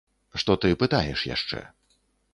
Што ты пытаеш яшчэ.